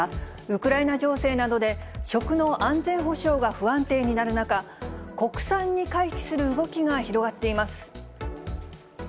ウクライナ情勢などで食の安全保障が不安定になる中、国産に回帰する動きが広がっています。